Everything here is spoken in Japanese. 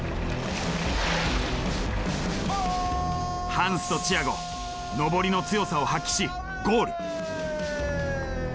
ハンスとチアゴ上りの強さを発揮しゴール。